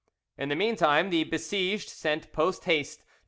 In the meantime the besieged sent post haste to M.